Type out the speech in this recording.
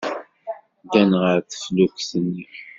Ddan ɣef teflukt-nni.